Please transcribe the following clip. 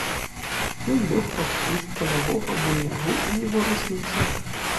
Ён лёг пад куст палявога быльнягу і не варушыўся.